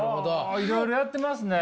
はあいろいろやってますね！